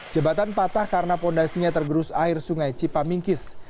jembatan patah karena fondasinya tergerus air sungai cipamingkis